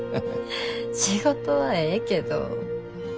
仕事はええけど。